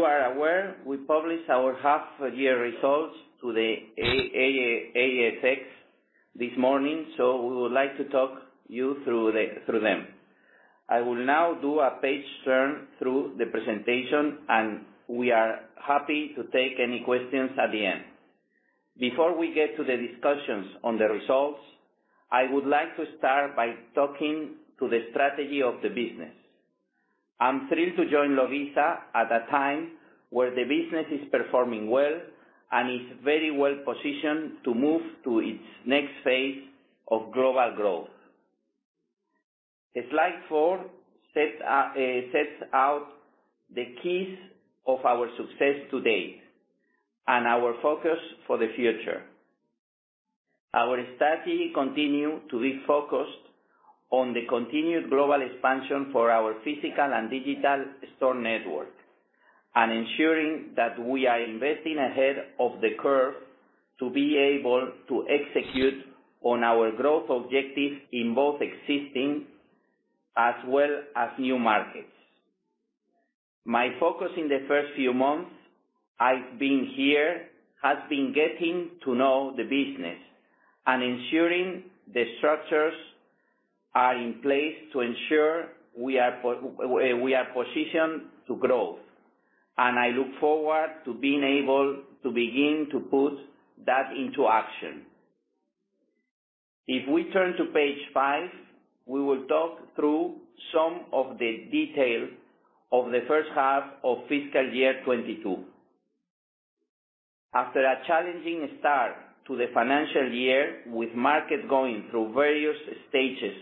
As you are aware, we published our half year results to the ASX this morning, so we would like to talk you through them. I will now do a page turn through the presentation, and we are happy to take any questions at the end. Before we get to the discussions on the results, I would like to start by talking to the strategy of the business. I'm thrilled to join Lovisa at a time where the business is performing well and is very well-positioned to move to its next phase of global growth. The slide 4 sets out the keys of our success to date and our focus for the future. Our strategy continues to be focused on the continued global expansion for our physical and digital store network, and ensuring that we are investing ahead of the curve to be able to execute on our growth objectives in both existing as well as new markets. My focus in the first few months I've been here has been getting to know the business and ensuring the structures are in place to ensure we are positioned to grow. I look forward to being able to begin to put that into action. If we turn to page 5, we will talk through some of the details of the first half of fiscal year 2022. After a challenging start to the financial year, with markets going through various stages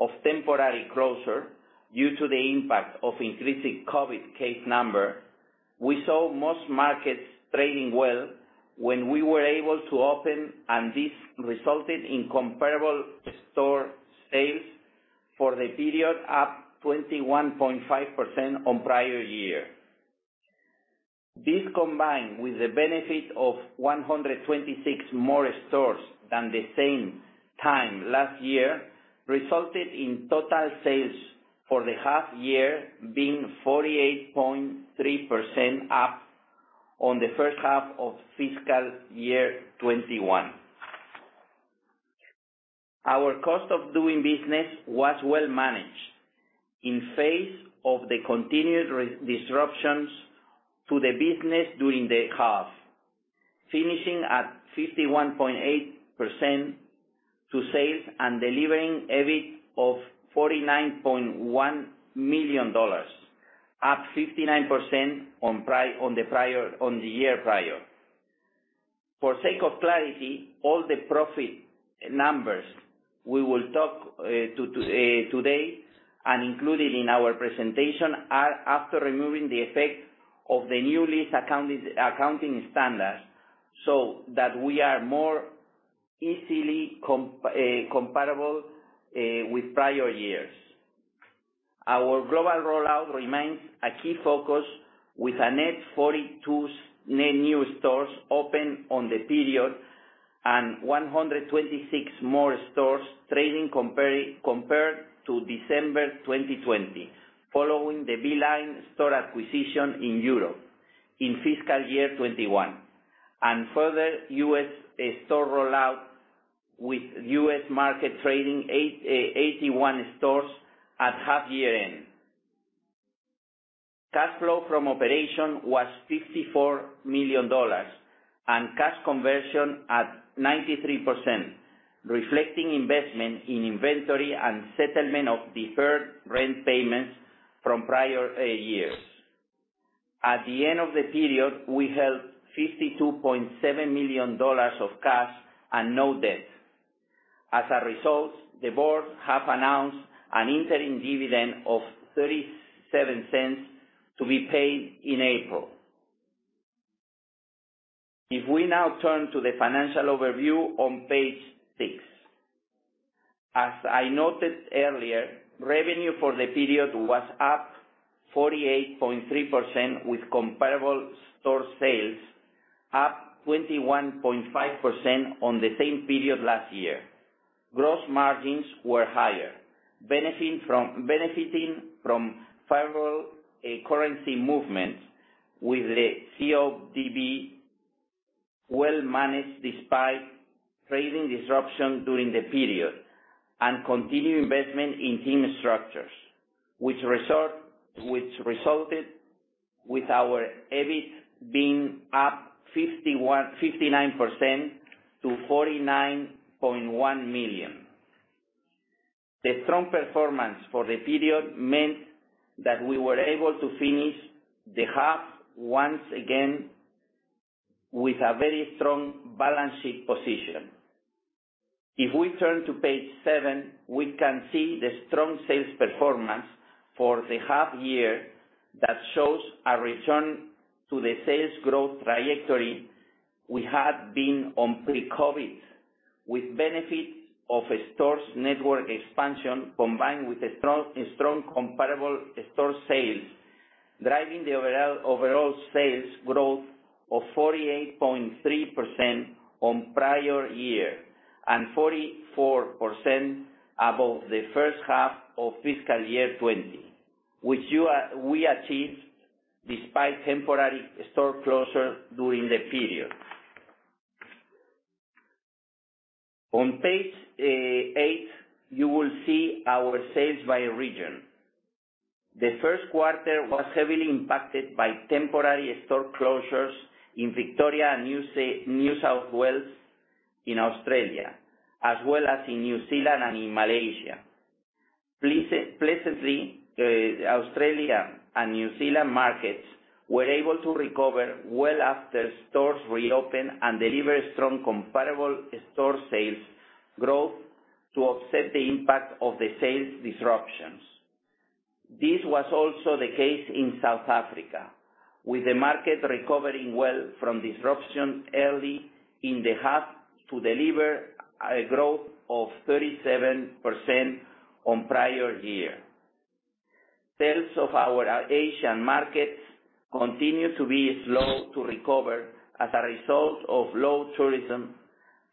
of temporary closure due to the impact of increasing COVID case number, we saw most markets trading well when we were able to open, and this resulted in comparable store sales for the period, up 21.5% on prior year. This, combined with the benefit of 126 more stores than the same time last year, resulted in total sales for the half year being 48.3% up on the first half of fiscal year 2021. Our cost of doing business was well managed in the face of the continued disruptions to the business during the half, finishing at 51.8% of sales and delivering EBIT of $49.1 million, up 59% on the prior year. For sake of clarity, all the profit numbers we will talk today and included in our presentation are after removing the effect of the new lease accounting standard, so that we are more easily comparable with prior years. Our global rollout remains a key focus with a net 42 new stores open on the period, and 126 more stores trading compared to December 2020, following the Beeline store acquisition in Europe in FY 2021. Further, U.S. store rollout with U.S. market trading 81 stores at half-year end. Cash flow from operations was 54 million dollars and cash conversion at 93%, reflecting investment in inventory and settlement of deferred rent payments from prior years. At the end of the period, we held $52.7 million of cash and no debt. As a result, the board have announced an interim dividend of 0.37 to be paid in April. If we now turn to the financial overview on page 6. As I noted earlier, revenue for the period was up 48.3%, with comparable store sales up 21.5% on the same period last year. Gross margins were higher, benefiting from favorable currency movements, with the CODB well managed despite trading disruption during the period and continued investment in team structures, which resulted with our EBIT being up 59% to 49.1 million. The strong performance for the period meant that we were able to finish the half once again with a very strong balance sheet position. If we turn to page seven, we can see the strong sales performance for the half year that shows a return to the sales growth trajectory we had been on pre-COVID, with benefits of a stores network expansion, combined with a strong comparable store sales, driving the overall sales growth of 48.3% on prior year, and 44% above the first half of FY 2020, which we achieved despite temporary store closure during the period. On page eight, you will see our sales by region. The first quarter was heavily impacted by temporary store closures in Victoria and New South Wales in Australia, as well as in New Zealand and in Malaysia. Pleasantly, Australia and New Zealand markets were able to recover well after stores reopened and deliver strong comparable store sales growth to offset the impact of the sales disruptions. This was also the case in South Africa, with the market recovering well from disruption early in the half to deliver a growth of 37% on prior year. Sales of our Asian markets continue to be slow to recover as a result of low tourism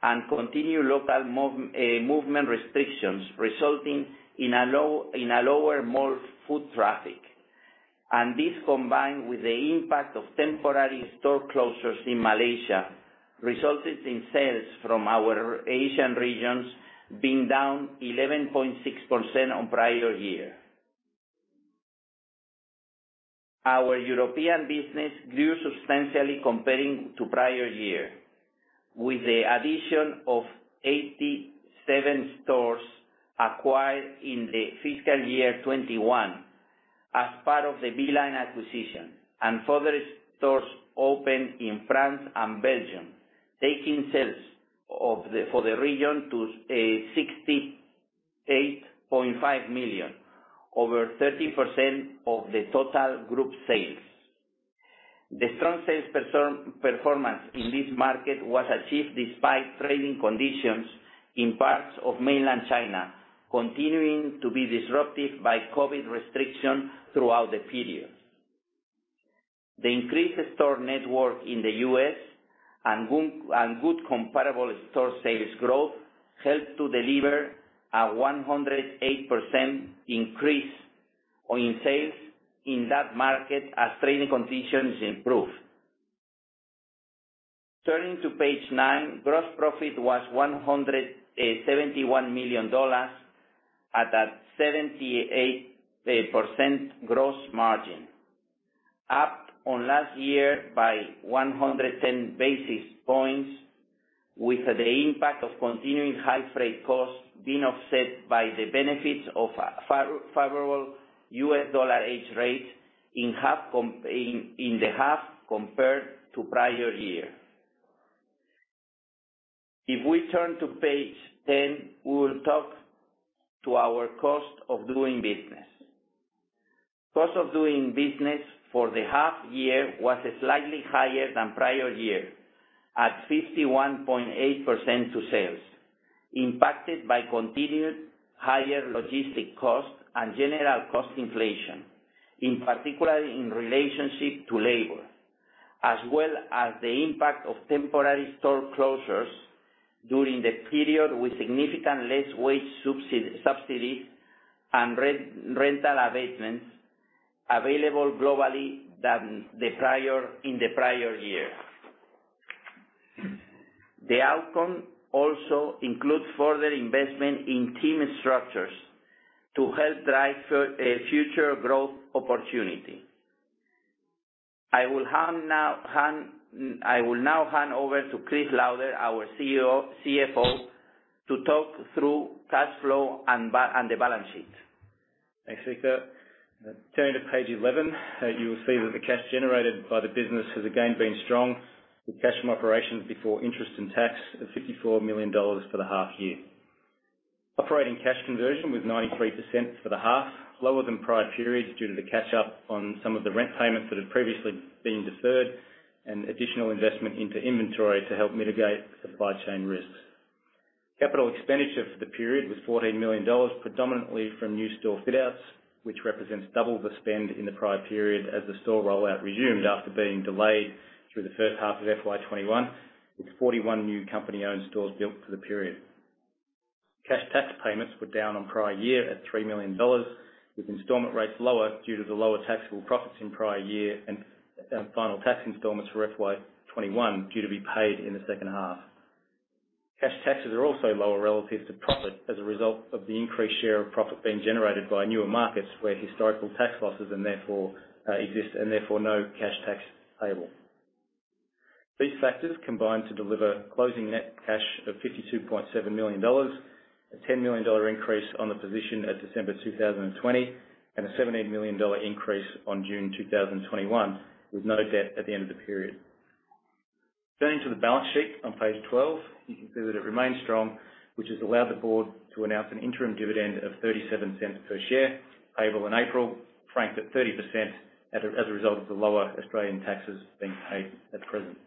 and continued local movement restrictions, resulting in lower mall foot traffic. This, combined with the impact of temporary store closures in Malaysia, resulted in sales from our Asian regions being down 11.6% on prior year. Our European business grew substantially comparing to prior year, with the addition of 87 stores acquired in the fiscal year 2021 as part of the Beeline acquisition, and further stores opened in France and Belgium, taking sales for the region to 68.5 million, over 13% of the total group sales. The strong sales performance in this market was achieved despite trading conditions in parts of mainland China continuing to be disrupted by COVID restrictions throughout the period. The increased store network in the U.S. and good comparable store sales growth helped to deliver a 108% increase in sales in that market as trading conditions improved. Turning to page 9, gross profit was 171 million dollars at a 78% gross margin, up on last year by 110 basis points, with the impact of continuing high freight costs being offset by the benefits of favorable U.S. dollar exchange rate in the half compared to prior year. If we turn to page 10, we will talk to our cost of doing business. Cost of doing business for the half year was slightly higher than prior year, at 51.8% to sales, impacted by continued higher logistic costs and general cost inflation, in particular in relationship to labor, as well as the impact of temporary store closures during the period with significantly less wage subsidy and rental abatements available globally than the prior year. The outcome also includes further investment in team structures to help drive future growth opportunity. I will now hand over to Chris Lauder, our CFO, to talk through cash flow and the balance sheet. Thanks, Victor. Turning to page 11, you will see that the cash generated by the business has again been strong, with cash from operations before interest and tax of $54 million for the half year. Operating cash conversion was 93% for the half, lower than prior periods due to the catch-up on some of the rent payments that had previously been deferred and additional investment into inventory to help mitigate supply chain risks. Capital expenditure for the period was $14 million, predominantly from new store fit-outs, which represents double the spend in the prior period as the store rollout resumed after being delayed through the first half of FY 2021, with 41 new company-owned stores built for the period. Cash tax payments were down on prior year at $3 million, with installment rates lower due to the lower taxable profits in prior year and final tax installments for FY 2021 due to be paid in the second half. Cash taxes are also lower relative to profit as a result of the increased share of profit being generated by newer markets where historical tax losses and therefore exist and therefore no cash tax payable. These factors combined to deliver closing net cash of $52.7 million, a $10 million increase on the position at December 2020, and a $17 million increase on June 2021, with no debt at the end of the period. Turning to the balance sheet on page 12, you can see that it remains strong, which has allowed the board to announce an interim dividend of 0.37 per share payable in April, franked at 30% as a result of the lower Australian taxes being paid at present.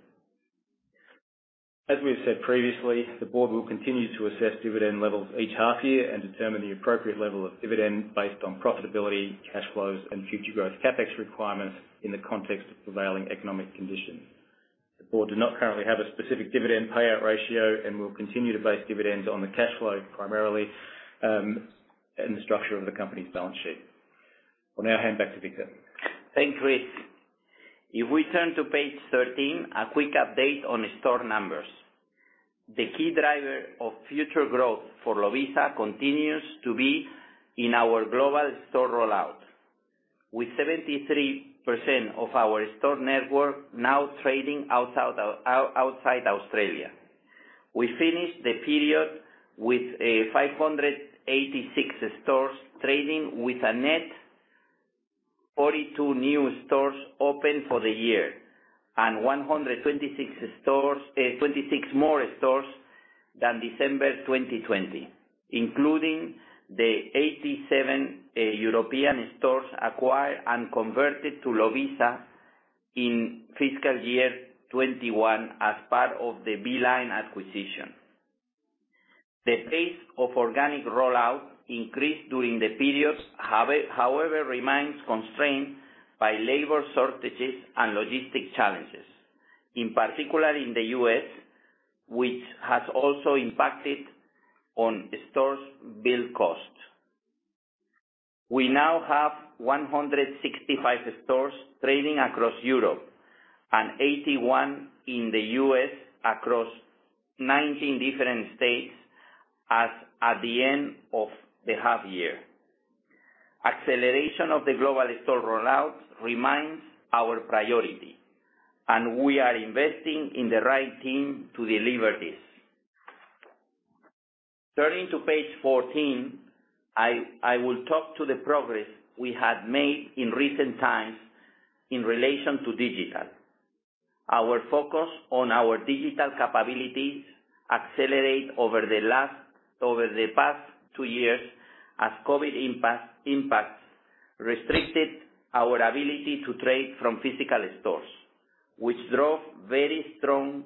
We have said previously, the board will continue to assess dividend levels each half year and determine the appropriate level of dividend based on profitability, cash flows, and future growth CapEx requirements in the context of prevailing economic conditions. The board do not currently have a specific dividend payout ratio and will continue to base dividends on the cash flow primarily, and the structure of the company's balance sheet. I will now hand back to Victor. Thanks, Chris. If we turn to page 13, a quick update on store numbers. The key driver of future growth for Lovisa continues to be in our global store rollout, with 73% of our store network now trading outside Australia. We finished the period with 586 stores trading with a net 42 new stores open for the year, and 126 stores, 26 more stores than December 2020, including the 87 European stores acquired and converted to Lovisa in FY 2021 as part of the Beeline acquisition. The pace of organic rollout increased during the period, however, remains constrained by labor shortages and logistical challenges, in particular in the U.S., which has also impacted on stores' build costs. We now have 165 stores trading across Europe and 81 in the U.S. across 19 different states as at the end of the half year. Acceleration of the global store rollouts remains our priority, and we are investing in the right team to deliver this. Turning to page 14, I will talk to the progress we have made in recent times in relation to digital. Our focus on our digital capabilities accelerate over the past 2 years as COVID impact restricted our ability to trade from physical stores, which drove very strong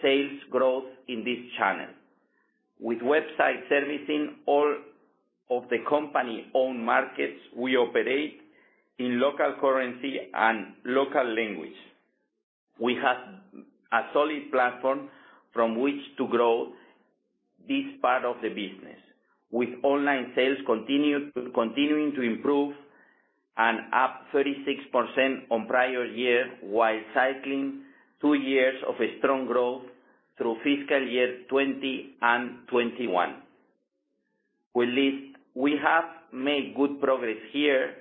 sales growth in this channel. With website servicing all of the company-owned markets we operate in local currency and local language. We have a solid platform from which to grow this part of the business, with online sales continuing to improve and up 36% on prior year while cycling two years of a strong growth through fiscal year 2020 and 2021. We believe we have made good progress here.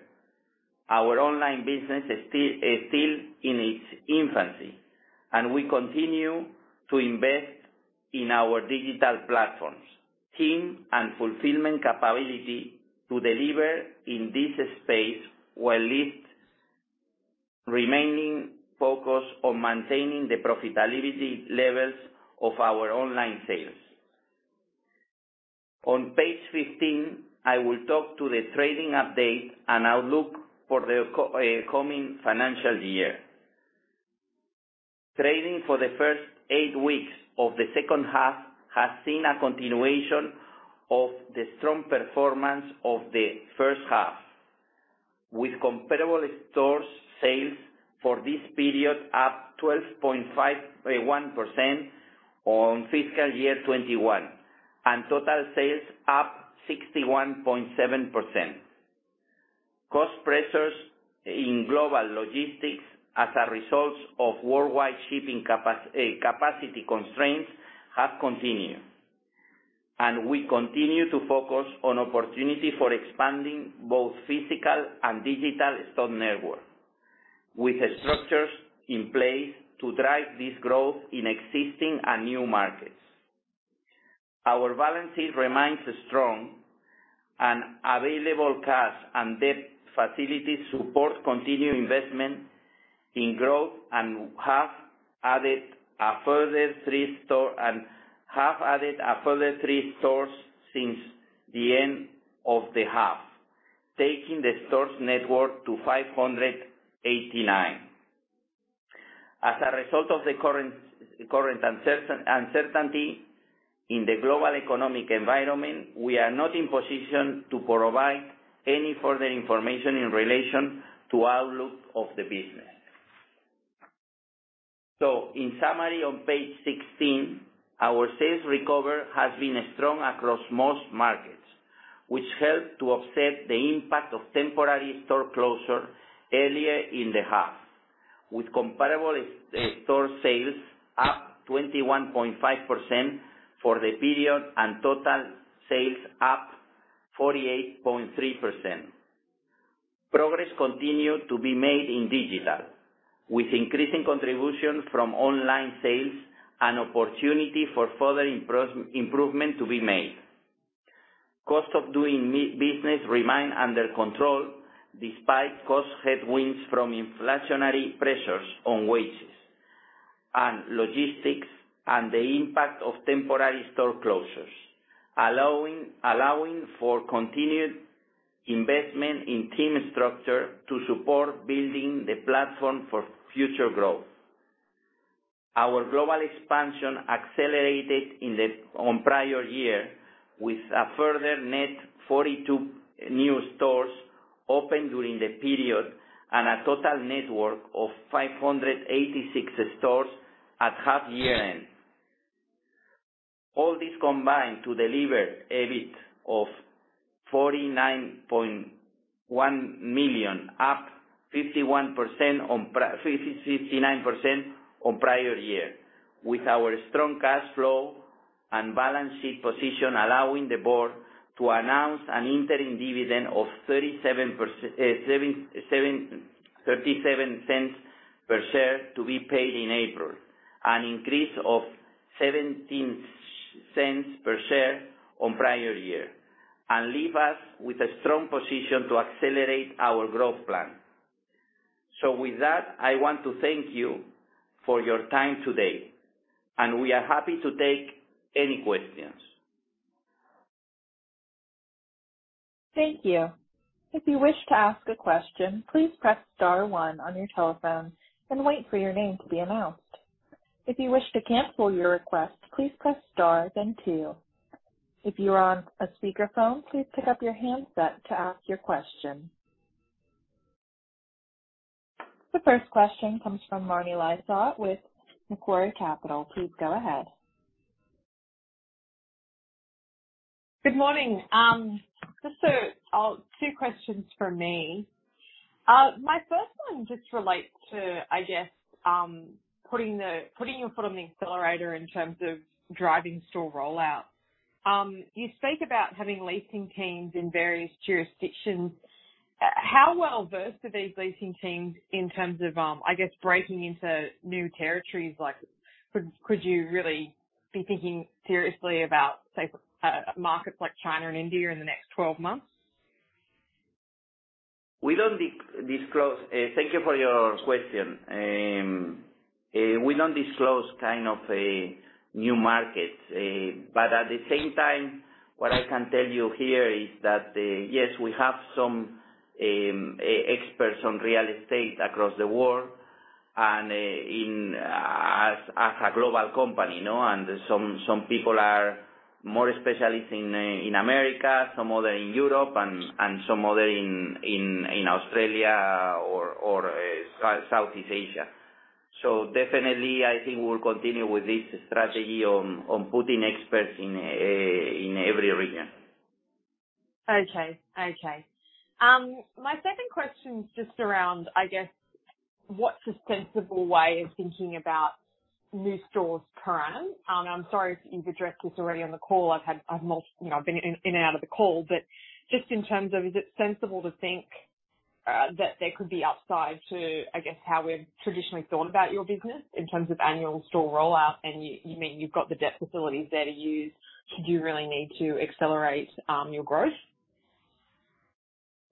Our online business is still in its infancy, and we continue to invest in our digital platforms, team, and fulfillment capability to deliver in this space while it remains focused on maintaining the profitability levels of our online sales. On page 15, I will talk to the trading update and outlook for the coming financial year. Trading for the first eight weeks of the second half has seen a continuation of the strong performance of the first half, with comparable store sales for this period up 12.51% on FY 2021, and total sales up 61.7%. Cost pressures in global logistics as a result of worldwide shipping capacity constraints have continued, and we continue to focus on opportunity for expanding both physical and digital store network with structures in place to drive this growth in existing and new markets. Our balance sheet remains strong, and available cash and debt facilities support continued investment in growth and have added a further three stores since the end of the half, taking the store network to 589. As a result of the current uncertainty in the global economic environment, we are not in position to provide any further information in relation to outlook of the business. In summary, on page 16, our sales recovery has been strong across most markets, which helped to offset the impact of temporary store closure earlier in the half, with comparable store sales up 21.5% for the period and total sales up 48.3%. Progress continued to be made in digital, with increasing contributions from online sales and opportunity for further improvement to be made. Cost of doing business remain under control despite cost headwinds from inflationary pressures on wages and logistics and the impact of temporary store closures, allowing for continued investment in team structure to support building the platform for future growth. Our global expansion accelerated in FY on prior year with a further net 42 new stores opened during the period and a total network of 586 stores at half-year end. All this combined to deliver EBIT of 49.1 million, up 59% on prior year. With our strong cash flow and balance sheet position, allowing the board to announce an interim dividend of 37 cents per share to be paid in April. An increase of 17 cents per share on prior year, and leave us with a strong position to accelerate our growth plan. With that, I want to thank you for your time today, and we are happy to take any questions. Thank you. If you wish to ask a question, please press *1 on your telephone and wait for your name to be announced. If you to cancel your request, please press *2. If you're on a speakerphone, please pick up headset to ask your question. The first question comes from Marni Lysaght with Macquarie Capital. Please go ahead. Good morning. Just two questions from me. My first one just relates to, I guess, putting your foot on the accelerator in terms of driving store rollout. You speak about having leasing teams in various jurisdictions. How well-versed are these leasing teams in terms of, I guess, breaking into new territories? Like, could you really be thinking seriously about, say, markets like China and India in the next 12 months? We don't disclose. Thank you for your question. We don't disclose kind of a new market, but at the same time, what I can tell you here is that yes, we have some experts on real estate across the world and, as a global company, you know, and some people are more specialist in America, some other in Europe and some other in Australia or Southeast Asia. Definitely I think we'll continue with this strategy on putting experts in every region. Okay. My second question is just around, I guess, what's a sensible way of thinking about new store count? I'm sorry if you've addressed this already on the call. You know, I've been in and out of the call. Just in terms of, is it sensible to think that there could be upside to, I guess, how we've traditionally thought about your business in terms of annual store rollout, and you mean you've got the debt facilities there to use should you really need to accelerate your growth?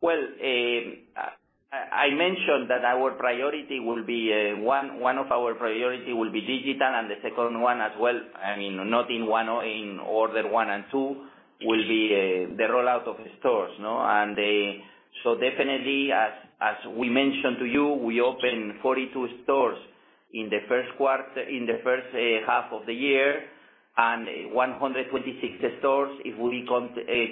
Well, I mentioned that our priority will be, one of our priority will be digital, and the second one as well. I mean, in order one and two will be the rollout of the stores, you know? Definitely, as we mentioned to you, we opened 42 stores in the first half of the year and 126 stores it will be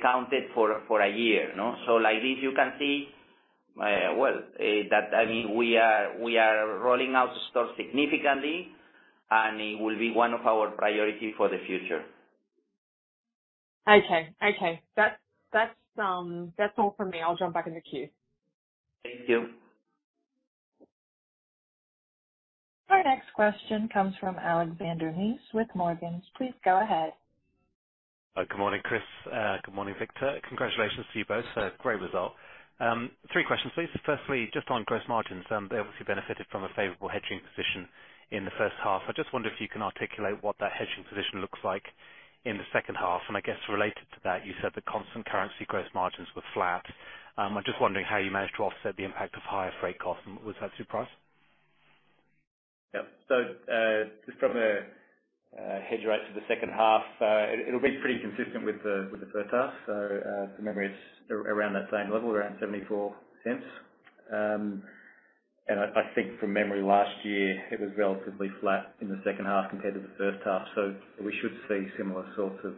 counted for a year, you know. Like this, you can see, well, that, I mean, we are rolling out stores significantly, and it will be one of our priority for the future. Okay. That's all for me. I'll jump back in the queue. Thank you. Our next question comes from Alexander Mees with Morgans. Please go ahead. Good morning, Chris. Good morning, Victor. Congratulations to you both. Great result. Three questions, please. Firstly, just on gross margins. They obviously benefited from a favorable hedging position in the first half. I just wonder if you can articulate what that hedging position looks like in the second half. I guess related to that, you said the constant currency gross margins were flat. I'm just wondering how you managed to offset the impact of higher freight costs, and was that a surprise? Just from a hedge rate for the second half, it'll be pretty consistent with the first half. From memory, it's around that same level, around 74 cents. And I think from memory last year it was relatively flat in the second half compared to the first half. We should see similar sorts of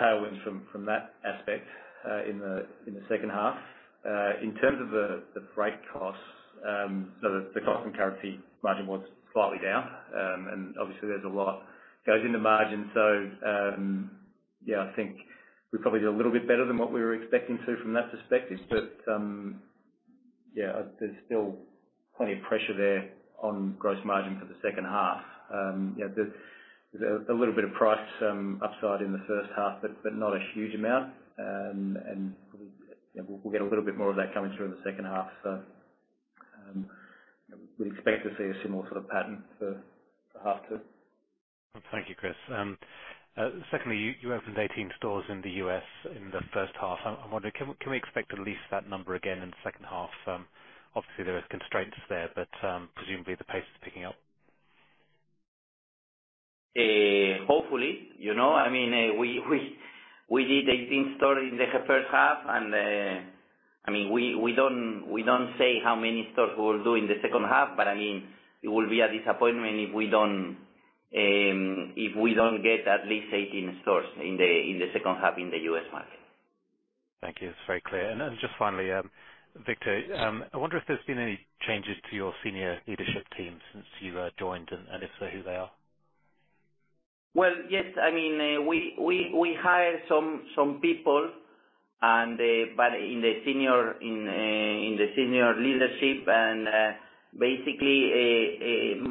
tailwinds from that aspect in the second half. In terms of the freight costs, the constant currency margin was slightly down. And obviously there's a lot goes into margin. I think we probably did a little bit better than what we were expecting to from that perspective, there's still plenty of pressure there on gross margin for the second half. You know, there's a little bit of price upside in the first half, but not a huge amount. You know, we'll get a little bit more of that coming through in the second half. We'd expect to see a similar sort of pattern for half two. Thank you, Chris. Secondly, you opened 18 stores in the U.S. in the first half. I'm wondering, can we expect at least that number again in the second half? Obviously there is constraints there, but presumably the pace is picking up. Hopefully, you know, I mean, we did 18 stores in the first half and, I mean, we don't say how many stores we'll do in the second half, but I mean, it will be a disappointment if we don't get at least 18 stores in the second half in the U.S. market. Thank you. That's very clear. Just finally, Victor, I wonder if there's been any changes to your senior leadership team since you joined and if so, who they are? Well, yes. I mean, we hired some people in the senior leadership and basically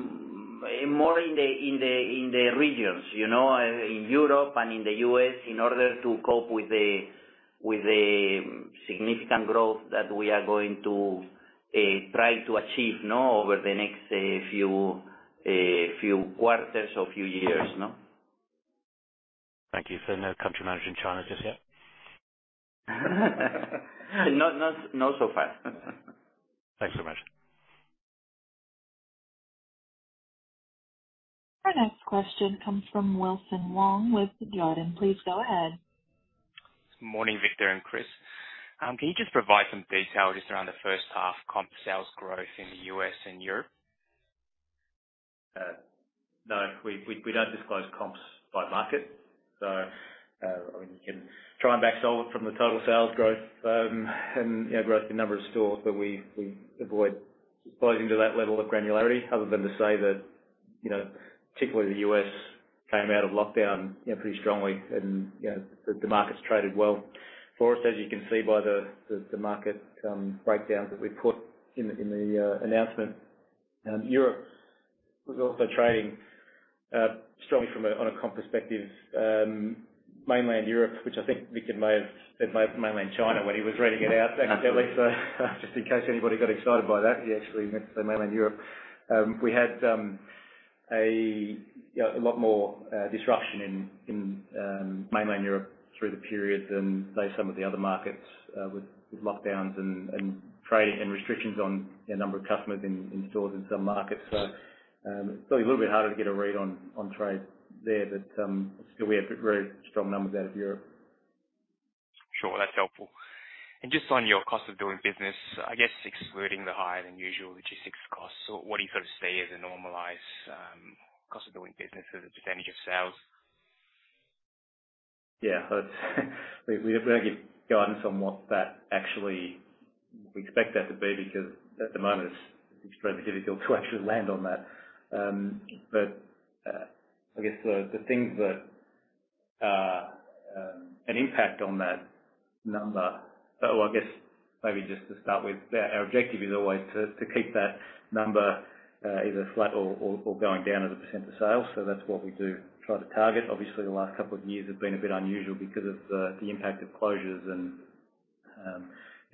more in the regions, you know, in Europe and in the U.S. in order to cope with the significant growth that we are going to try to achieve now over the next few quarters or few years, you know. Thank you. No country manager in China just yet? Not so far. Thanks so much. Our next question comes from Wilson Wong with Jarden. Please go ahead. Morning, Victor and Chris. Can you just provide some detail just around the first half comp sales growth in the U.S. and Europe? No, we don't disclose comps by market. I mean, you can try and back solve it from the total sales growth, and, you know, growth in number of stores, but we avoid going to that level of granularity other than to say that, you know, particularly the U.S. came out of lockdown, you know, pretty strongly and, you know, the market's traded well for us, as you can see by the market breakdown that we put in the announcement. Europe was also trading strongly on a comp perspective. Mainland Europe, which I think Victor may have said mainland Europe when he was reading it out. Just in case anybody got excited by that, he actually meant to say mainland Europe. We had a you know a lot more disruption in mainland Europe through the period than, say, some of the other markets with lockdowns and trade and restrictions on the number of customers in stores in some markets. It's probably a little bit harder to get a read on trade there. Still we have very strong numbers out of Europe. Sure. That's helpful. Just on your cost of doing business, I guess excluding the higher than usual logistics costs, so what do you sort of see as a normalized cost of doing business as a percentage of sales? That's. We don't give guidance on what we actually expect that to be because at the moment it's very difficult to actually land on that. I guess the things that impact on that number or I guess maybe just to start with, our objective is always to keep that number either flat or going down as a percent of sales. That's what we do try to target. Obviously, the last couple of years have been a bit unusual because of the impact of closures and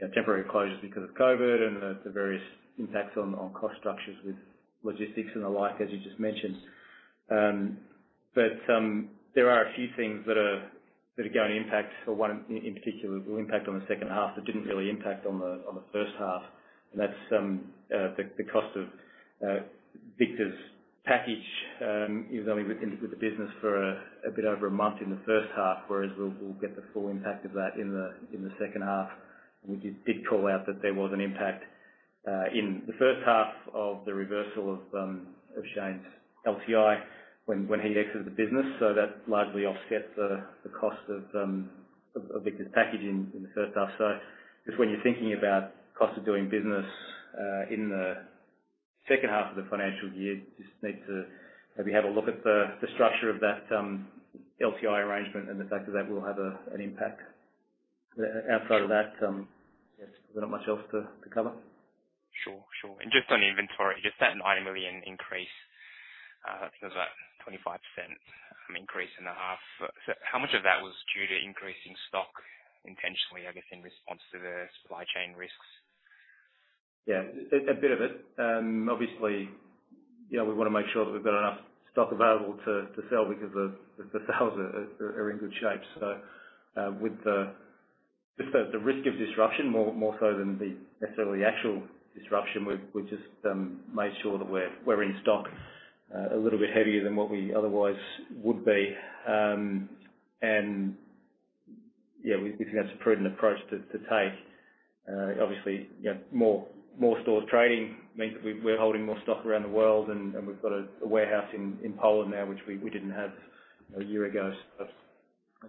you know, temporary closures because of COVID and the various impacts on cost structures with logistics and the like, as you just mentioned. There are a few things that are going to impact or one in particular will impact on the second half that didn't really impact on the first half. That's the cost of Victor's package. He was only with the business for a bit over a month in the first half, whereas we'll get the full impact of that in the second half. We did call out that there was an impact in the first half of the reversal of Shane's LTI when he exited the business. That largely offsets the cost of Victor's package in the first half. I guess when you're thinking about cost of doing business in the second half of the financial year, just need to maybe have a look at the structure of that LTI arrangement and the fact that will have an impact. Outside of that, there's not much else to cover. Sure, sure. Just on inventory, just that 90 million increase, that's about 25% increase in the half. How much of that was due to increasing stock intentionally, I guess, in response to the supply chain risks? A bit of it. Obviously, you know, we wanna make sure that we've got enough stock available to sell because the sales are in good shape. With just the risk of disruption more so than the necessarily actual disruption, we've just made sure that we're in stock a little bit heavier than what we otherwise would be., we think that's a prudent approach to take. Obviously, you know, more stores trading means we're holding more stock around the world and we've got a warehouse in Poland now, which we didn't have a year ago. That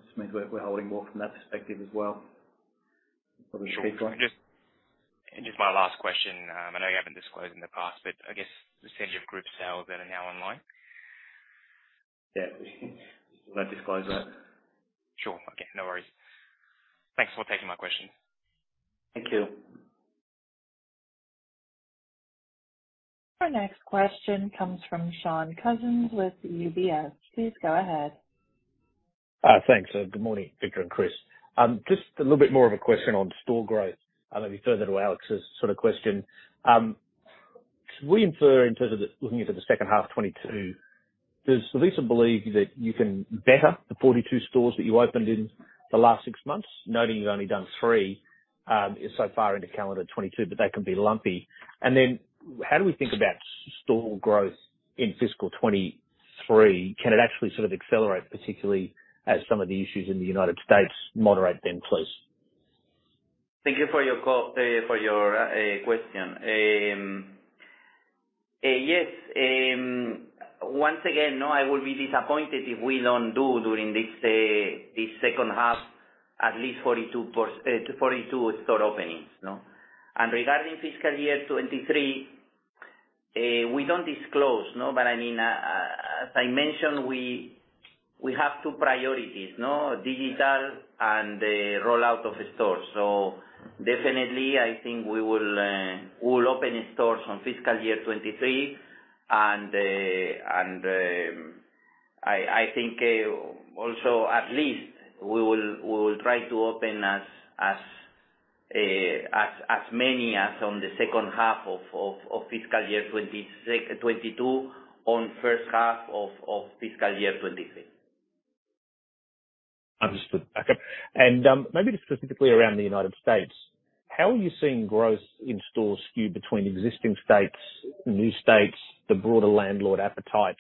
just means we're holding more from that perspective as well. Probably Sure. Just my last question. I know you haven't disclosed in the past, but I guess the percentage of group sales that are now online? We'll not disclose that. Sure. Okay. No worries. Thanks for taking my questions. Thank you. Our next question comes from Shaun Cousins with UBS. Please go ahead. Thanks. Good morning, Victor and Chris. Just a little bit more of a question on store growth, maybe further to Alex's sort of question. Should we infer in terms of the looking into the second half 2022, does Victor believe that you can better the 42 stores that you opened in the last six months, noting you've only done 3? So far into calendar 2022, but that can be lumpy. How do we think about store growth in fiscal 2023? Can it actually sort of accelerate, particularly as some of the issues in the United States moderate then, please? Thank you for your call, for your question. Yes. Once again, no, I will be disappointed if we don't do during this second half at least 42 store openings, no? Regarding fiscal year 2023, we don't disclose, no. I mean, as I mentioned, we have two priorities, no? Digital and the rollout of the stores. Definitely, I think we will open stores on fiscal year 2023. I think also at least we will try to open as many as on the second half of fiscal year 2022 on first half of fiscal year 2023. Understood. Okay. Maybe just specifically around the United States, how are you seeing growth in stores skew between existing states, new states, the broader landlord appetite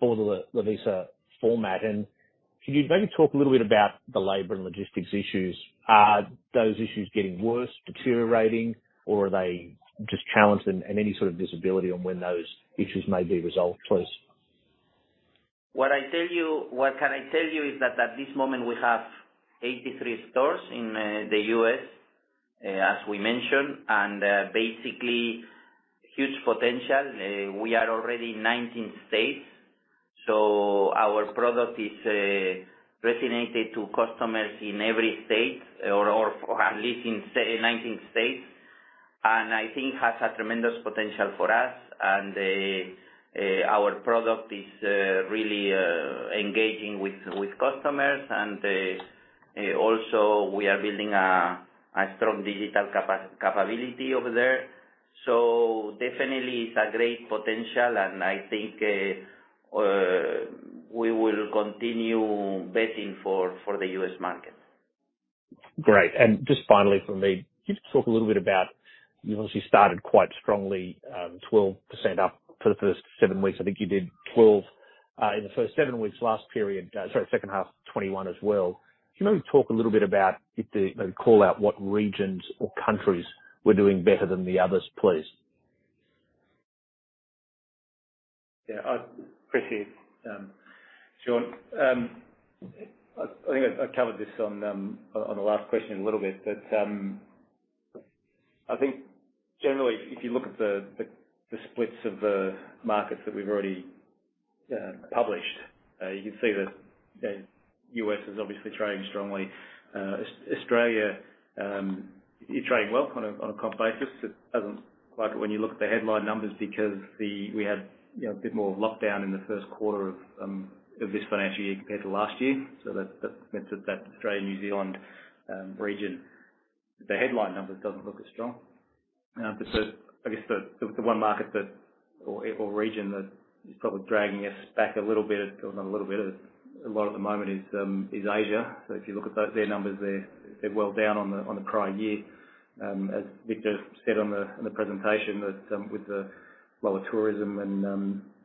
for the Lovisa format? Could you maybe talk a little bit about the labor and logistics issues? Are those issues getting worse, deteriorating, or are they just challenged, and any sort of visibility on when those issues may be resolved, please. What can I tell you is that at this moment we have 83 stores in the U.S., as we mentioned, and basically huge potential. We are already in 19 states, so our product is resonating with customers in every state or at least in 19 states, and I think has a tremendous potential for us. Our product is really engaging with customers. Also we are building a strong digital capability over there. Definitely it's a great potential, and I think we will continue betting on the U.S. market. Great. Just finally from me, could you just talk a little bit about, you obviously started quite strongly, 12% up for the first seven weeks. I think you did 12%, in the first seven weeks last period, sorry, second half 2021 as well. Can you maybe talk a little bit about maybe call out what regions or countries were doing better than the others, please. I'll pitch in, Shaun. I think I covered this on the last question a little bit, but I think generally if you look at the splits of the markets that we've already published, you can see that U.S. is obviously trading strongly. Australia is trading well on a comp basis. It doesn't look like it when you look at the headline numbers because we had, you know, a bit more lockdown in the first quarter of this financial year compared to last year. So that's that Australia/New Zealand region. The headline numbers don't look as strong. But the... I guess the one market or region that is probably dragging us back a little bit or a lot at the moment is Asia. If you look at their numbers, they're well down on the prior year. As Victor said on the presentation that with the lower tourism and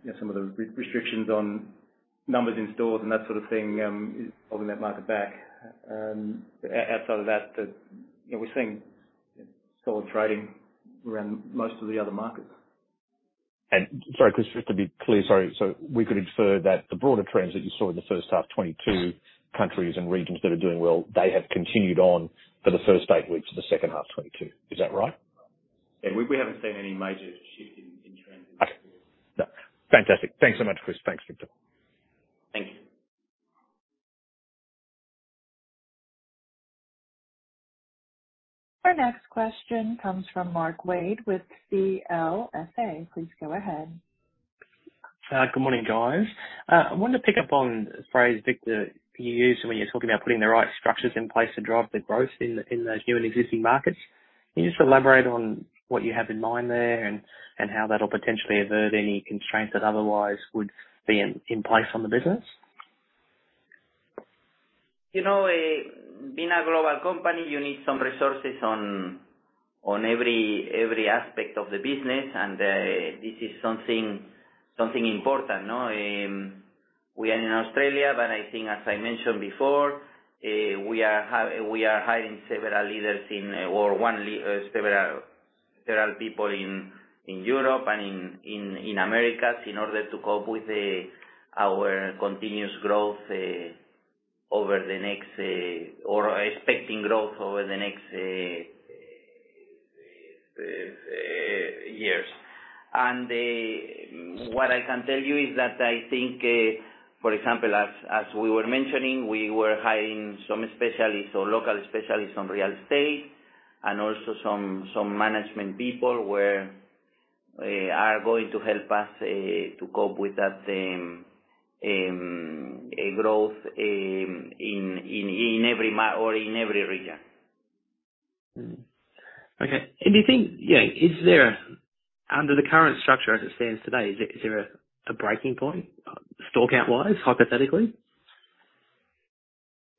you know some of the restrictions on numbers in stores and that sort of thing is holding that market back. Outside of that, you know, we're seeing solid trading around most of the other markets. Sorry, Chris, just to be clear, sorry. We could infer that the broader trends that you saw in the first half 2022, countries and regions that are doing well, they have continued on for the first eight weeks of the second half 2022. Is that right? We haven't seen any major shift in trends in stores. Okay. No. Fantastic. Thanks so much, Chris. Thanks, Victor. Thank you. Our next question comes from Mark Wade with CLSA. Please go ahead. Good morning, guys. I wanted to pick up on a phrase, Victor, you used when you were talking about putting the right structures in place to drive the growth in those new and existing markets. Can you just elaborate on what you have in mind there and how that'll potentially avert any constraints that otherwise would be in place on the business? You know, being a global company, you need some resources on every aspect of the business. This is something important, no? We are in Australia, but I think as I mentioned before, we are hiring several people in Europe and in Americas in order to cope with our expecting growth over the next years. What I can tell you is that I think, for example, as we were mentioning, we were hiring some specialists or local specialists on real estate and also some management people who are going to help us to cope with that growth in every region. Okay. Do you think,, is there a breaking point under the current structure as it stands today, store count-wise, hypothetically?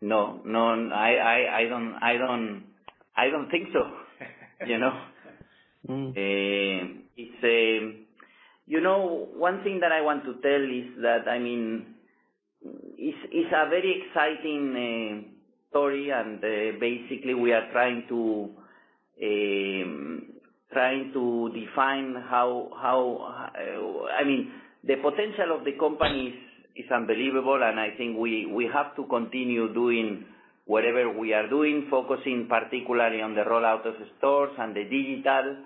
No. I don't think so. You know? You know, one thing that I want to tell is that, I mean, it's a very exciting story and basically we are trying to define how I mean, the potential of the company is unbelievable, and I think we have to continue doing whatever we are doing, focusing particularly on the rollout of the stores and the digital,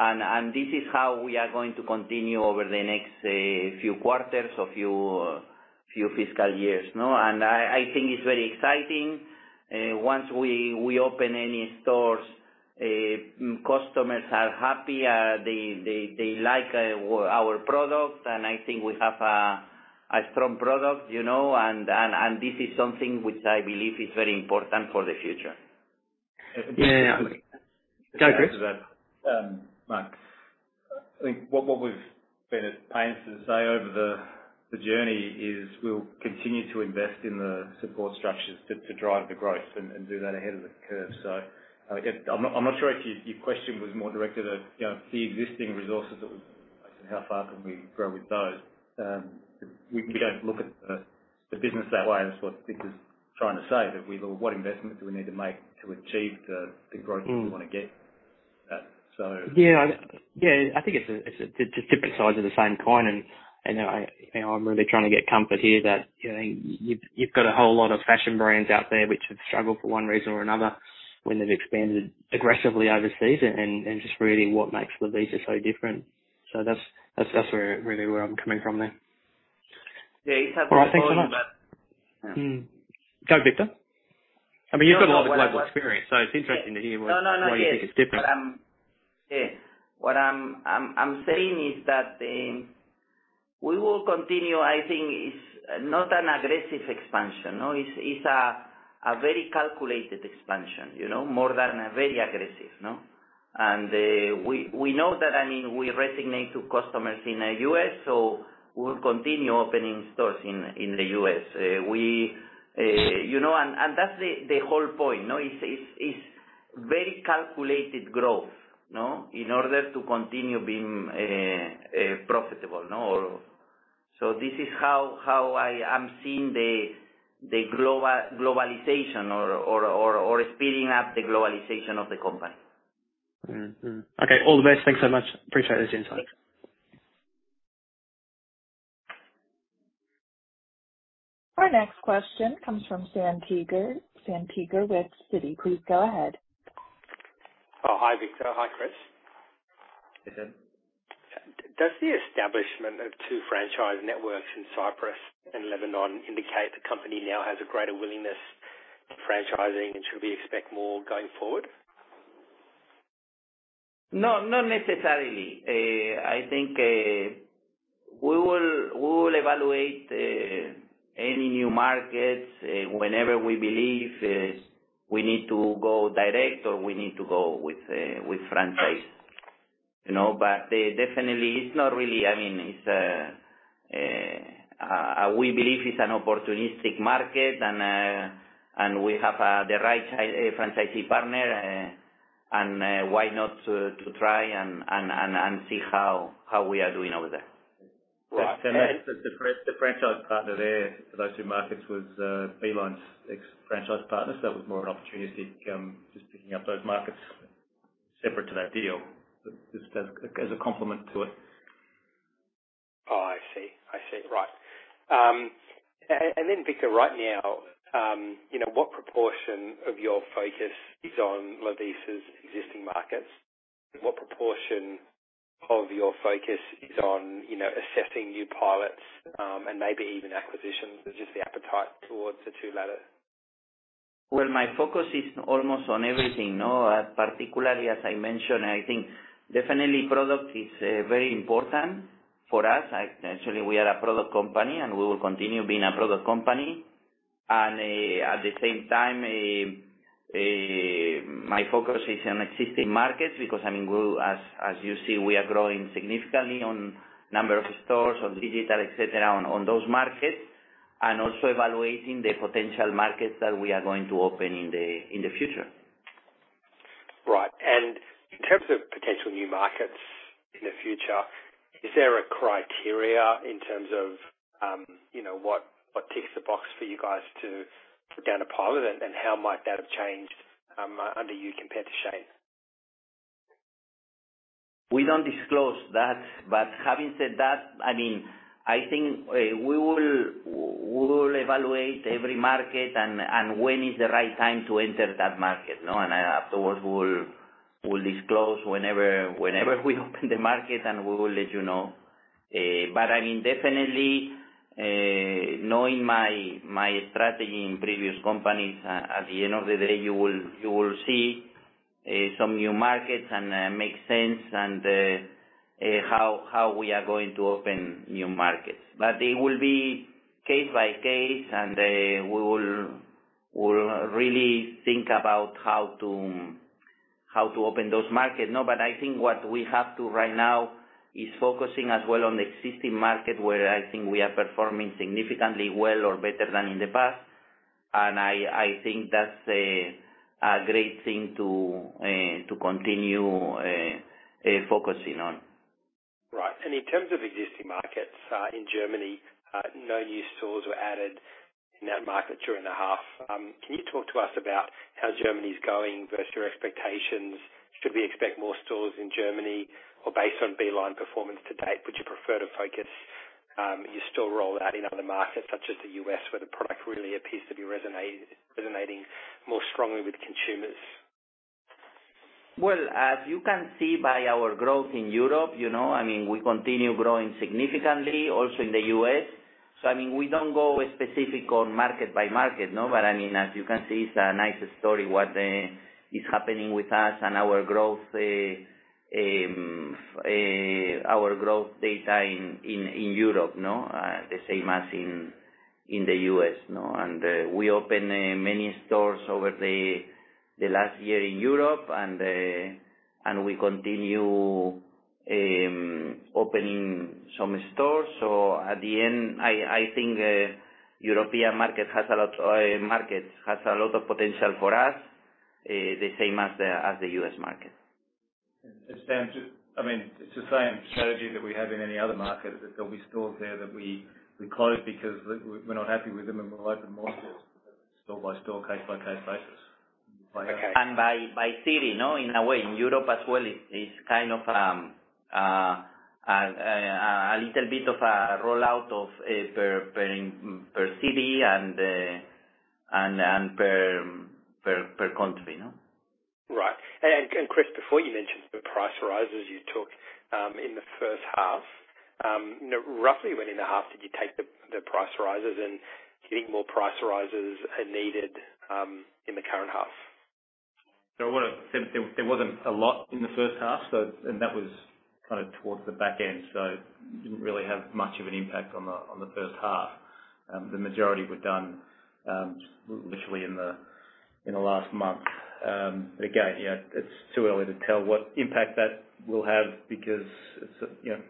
and this is how we are going to continue over the next few quarters or few fiscal years, no? I think it's very exciting. Once we open any stores, customers are happy. They like our product and I think we have a strong product, you know. This is something which I believe is very important for the future. Go, Chris. Mark. I think what we've been at pains to say over the journey is we'll continue to invest in the support structures to drive the growth and do that ahead of the curve. Again, I'm not sure if your question was more directed at, you know, the existing resources that we have and how far can we grow with those. We don't look at the business that way. That's what Victor's trying to say, that we go, "What investment do we need to make to achieve the growth we wanna get? I think it's two sides of the same coin and I, you know, I'm really trying to get comfort here that, you know, you've got a whole lot of fashion brands out there which have struggled for one reason or another when they've expanded aggressively overseas and just really what makes Lovisa so different. That's where really I'm coming from there. It's a good point. All right. Thanks so much. Go, Victor. I mean, you've got a lot of global experience, so it's interesting to hear what you think is different. . What I'm saying is that we will continue. I think it's not an aggressive expansion, no. It's a very calculated expansion, you know, more than a very aggressive, no? We know that, I mean, we resonate to customers in the U.S., so we'll continue opening stores in the U.S. You know, that's the whole point, no? It's very calculated growth, no? In order to continue being profitable, no? This is how I am seeing the globalization or speeding up the globalization of the company. Okay. All the best. Thanks so much. Appreciate this insight. Thank you. Our next question comes from Sam Teeger. Sam Teeger with Citi, please go ahead. Victor. Hi, Chris. Hey, Sam. Does the establishment of 2 franchise networks in Cyprus and Lebanon indicate the company now has a greater willingness to franchising, and should we expect more going forward? No, not necessarily. I think we will evaluate any new markets whenever we believe we need to go direct or we need to go with franchise. You know, but definitely, I mean, we believe it's an opportunistic market and we have the right franchisee partner and why not try and see how we are doing over there. Right. The franchise partner there for those two markets was beeline's ex franchise partners. That was more an opportunity, just picking up those markets separate to that deal as a complement to it. I see. Right. Victor, right now, you know, what proportion of your focus is on Lovisa's existing markets? What proportion of your focus is on, you know, assessing new pilots, and maybe even acquisitions and just the appetite towards the two latter? Well, my focus is almost on everything, no? Particularly as I mentioned, I think definitely product is very important for us. Actually, we are a product company, and we will continue being a product company. At the same time, my focus is on existing markets because, I mean, we, as you see, we are growing significantly on number of stores, on digital, et cetera, on those markets, and also evaluating the potential markets that we are going to open in the future. Right. In terms of potential new markets in the future, is there a criteria in terms of, you know, what ticks the box for you guys to put down a pilot and how might that have changed, under you compared to Shane? We don't disclose that. Having said that, I mean, I think we will evaluate every market and when is the right time to enter that market, you know. Afterwards, we'll disclose whenever we open the market, and we will let you know. I mean, definitely, knowing my strategy in previous companies, at the end of the day, you will see some new markets that make sense and how we are going to open new markets. It will be case by case, and we will really think about how to open those markets. No, I think what we have to do right now is focus as well on the existing market, where I think we are performing significantly well or better than in the past. I think that's a great thing to continue focusing on. Right. In terms of existing markets, in Germany, no new stores were added in that market during the half. Can you talk to us about how Germany's going versus your expectations? Should we expect more stores in Germany? Or based on Beeline performance to date, would you prefer to focus your store rollout in other markets such as the U.S., where the product really appears to be resonating more strongly with consumers? Well, as you can see by our growth in Europe, you know, I mean, we continue growing significantly also in the U.S. I mean, we don't get specific on market by market. No, but I mean, as you can see, it's a nice story what is happening with us and our growth, our growth data in Europe. The same as in the U.S. We opened many stores over the last year in Europe and we continue opening some stores. At the end, I think European market has a lot of potential for us, the same as the U.S. market. Sam, I mean, it's the same strategy that we have in any other market. There'll be stores there that we close because we're not happy with them, and we'll open more stores, store by store, case by case basis. Okay. By city, no, in a way. In Europe as well, it's kind of a little bit of a rollout of per city and per country, no. Right. Chris, before you mentioned the price rises you took in the first half. Roughly when in the half did you take the price rises? Do you think more price rises are needed in the current half? There wasn't a lot in the first half. That was kind of towards the back end, so didn't really have much of an impact on the first half. The majority were done literally in the last month. Again,, it's too early to tell what impact that will have because it's, you know,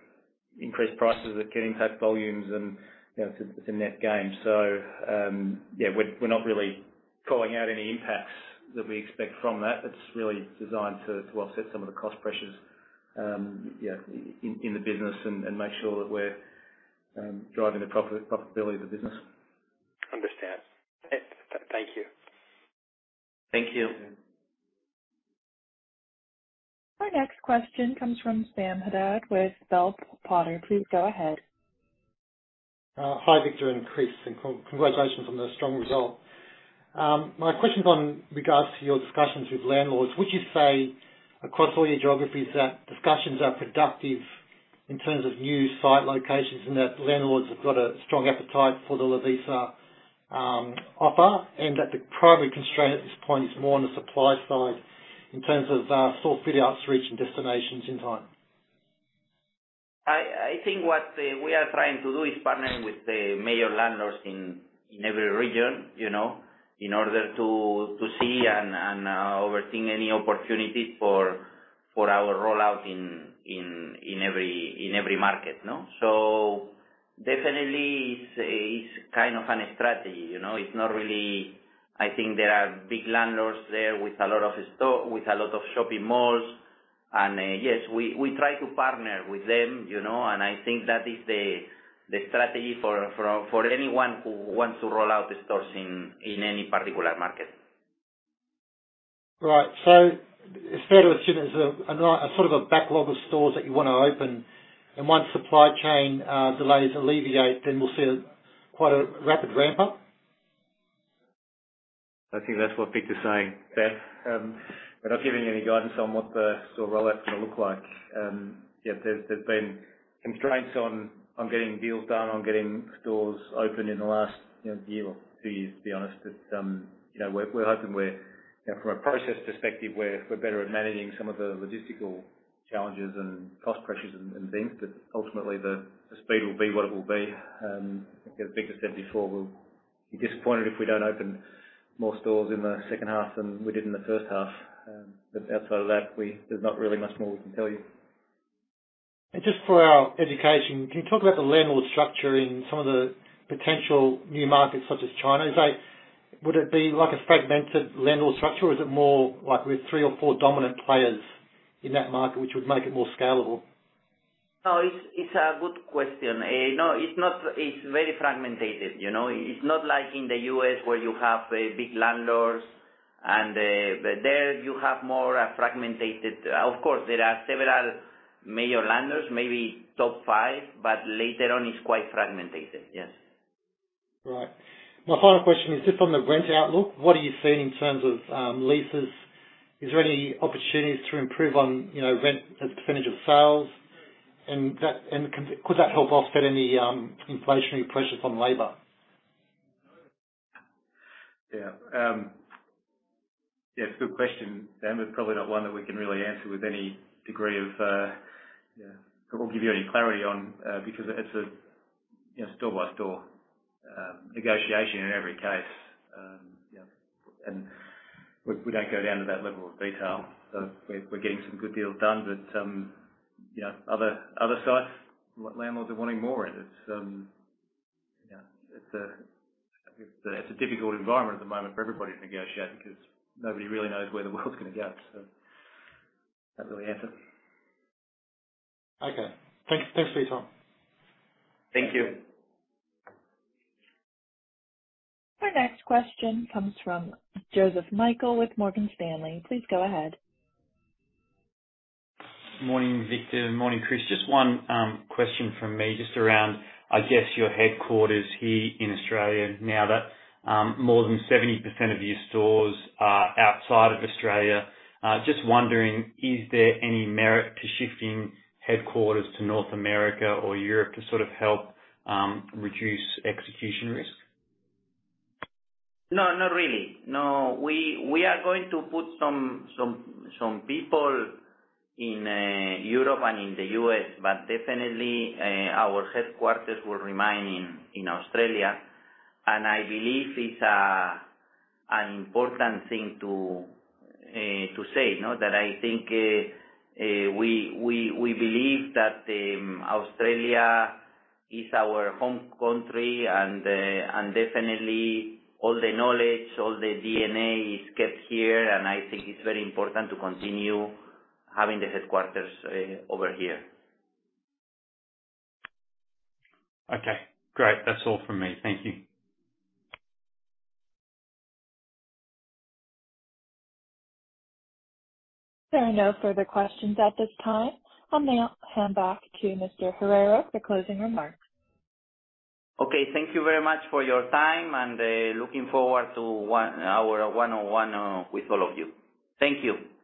increased prices that can impact volumes and, you know, it's a net gain., we're not really calling out any impacts that we expect from that. It's really designed to offset some of the cost pressures,, in the business and make sure that we're driving the profitability of the business. Understand. Thank you. Thank you. Our next question comes from Sam Haddad with Bell Potter. Please go ahead. Hi, Victor and Chris, and congratulations on the strong result. My question's regarding your discussions with landlords. Would you say across all your geographies that discussions are productive in terms of new site locations and that landlords have got a strong appetite for the Lovisa offer, and that the primary constraint at this point is more on the supply side in terms of store fit-outs reaching destinations in time? I think what we are trying to do is partnering with the major landlords in every region, you know, in order to see and oversee any opportunities for our rollout in every market, no? So definitely it's kind of a strategy, you know. I think there are big landlords there with a lot of shopping malls, and yes, we try to partner with them, you know. I think that is the strategy for anyone who wants to roll out the stores in any particular market. Right. It's fair to assume there's a sort of a backlog of stores that you wanna open, and once supply chain delays alleviate, then we'll see quite a rapid ramp-up? I think that's what Victor's saying, Sam. We're not giving any guidance on what the store rollout's gonna look like., there's been constraints on getting deals done, on getting stores open in the last, you know, year or two years, to be honest. You know, we're hoping we're, you know, from a process perspective, we're better at managing some of the logistical challenges and cost pressures and things. Ultimately the speed will be what it will be. I think as Victor said before, we'll be disappointed if we don't open more stores in the second half than we did in the first half. Outside of that, there's not really much more we can tell you. Just for our education, can you talk about the landlord structure in some of the potential new markets such as China? Would it be like a fragmented landlord structure, or is it more like with three or four dominant players in that market, which would make it more scalable? No, it's a good question. No, it's not. It's very fragmented, you know. It's not like in the U.S. where you have big landlords and there you have more fragmented. Of course, there are several major landlords, maybe top five, but later on it's quite fragmented. Yes. Right. My final question is just on the rent outlook. What are you seeing in terms of leases? Is there any opportunities to improve on, you know, rent as a percentage of sales? That could help offset any inflationary pressures on labor? It's a good question, Sam, but probably not one that we can really answer with any degree of or give you any clarity on, because it's a, you know, store-by-store negotiation in every case., and we don't go down to that level of detail. We're getting some good deals done, but, you know, other sites, landlords are wanting more. It's, you know, it's a, I think it's a difficult environment at the moment for everybody to negotiate because nobody really knows where the world's gonna go. Can't really answer. Okay. Thanks for your time. Thank you. Our next question comes from Joseph Michael with Morgan Stanley. Please go ahead. Morning, Victor. Morning, Chris. Just one question from me just around, I guess your headquarters here in Australia now that more than 70% of your stores are outside of Australia. Just wondering, is there any merit to shifting headquarters to North America or Europe to sort of help reduce execution risk? No, not really. No. We are going to put some people in Europe and in the U.S., but definitely our headquarters will remain in Australia. I believe it's an important thing to say, you know, that we believe that Australia is our home country and definitely all the knowledge, all the DNA is kept here, and I think it's very important to continue having the headquarters over here. Okay, great. That's all from me. Thank you. There are no further questions at this time. I'll now hand back to Mr. Herrero for closing remarks. Okay. Thank you very much for your time and looking forward to our one-on-one with all of you. Thank you.